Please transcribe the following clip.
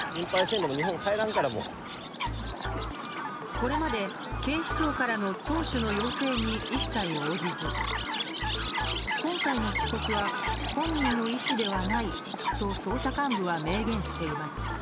これまで警視庁からの聴取の要請に一切応じず今回の帰国は本人の意思ではないと捜査幹部は明言しています。